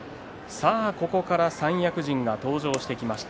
ここから三役陣が登場します。